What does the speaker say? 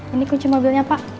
ini kunci mobilnya pak